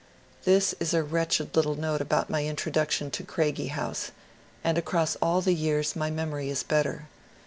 This is a wretched little note about my introduction to Craigie House, and across all the years my memory is better.